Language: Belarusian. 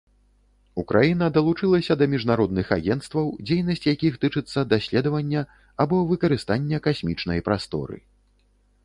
Украіна далучылася да міжнародных агенцтваў, дзейнасць якіх тычыцца даследавання або выкарыстання касмічнай прасторы.